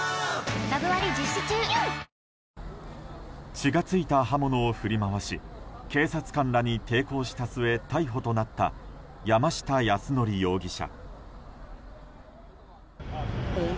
血が付いた刃物を振り回し警察官らに抵抗した末逮捕となった山下泰範容疑者。